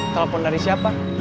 telepon dari siapa